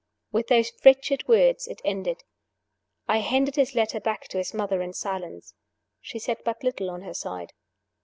With those wretched words it ended. I handed his letter back to his mother in silence. She said but little on her side.